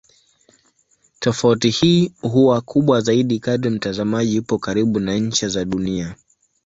Tofauti hii huwa kubwa zaidi kadri mtazamaji yupo karibu na ncha za Dunia.